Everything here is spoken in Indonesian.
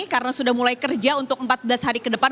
karena sudah mulai kerja untuk empat belas hari ke depan